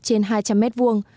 trên hai trăm linh m vuông